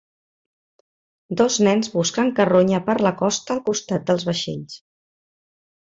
Dos nens busquen carronya per la costa al costat dels vaixells.